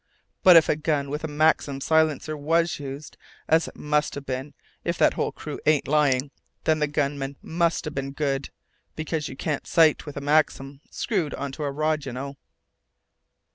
But if a gun with a Maxim silencer was used, as it must have been if that whole crew ain't lying, the gunman musta been good, because you can't sight with a Maxim screwed onto a rod, you know."